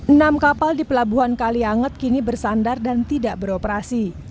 enam kapal di pelabuhan kalianget kini bersandar dan tidak beroperasi